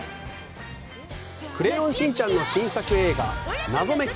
「クレヨンしんちゃん」の新作映画「謎メキ！